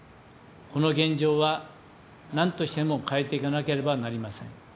この現状は、なんとしても変えていかなければなりません。